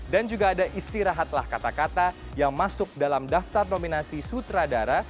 dan juga ada istirahatlah kata kata yang masuk dalam daftar nominasi sutradara